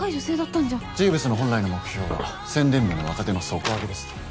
ジーヴズの本来の目標は宣伝部の若手の底上げです。